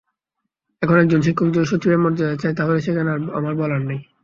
এখন একজন শিক্ষক যদি সচিবের মর্যাদায় চায়, তাহলে সেখানে আমার বলার নাই।